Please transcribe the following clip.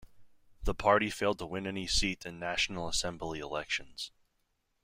The party failed to win any seat in National Assembly elections.